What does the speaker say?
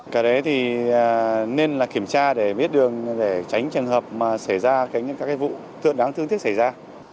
cả đấy thì nên là kiểm tra để biết đường để tránh trường hợp mà xảy ra các vụ tượng đáng thương thiết xảy ra